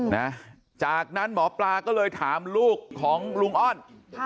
นะจากนั้นหมอปลาก็เลยถามลูกของลุงอ้อน